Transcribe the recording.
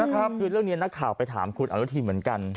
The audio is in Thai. คือเรื่องนี้นักข่าวไปถามคุณอนุทินเหมือนกัน